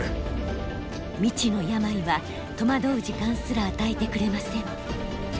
未知の病は戸惑う時間すら与えてくれません。